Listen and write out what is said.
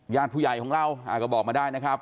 ญาติผู้ใหญ่ของเราอาจมาบอกได้นะคะ